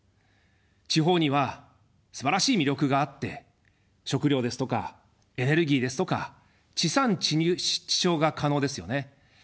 地方にはすばらしい魅力があって食料ですとかエネルギーですとか地産地消が可能ですよね。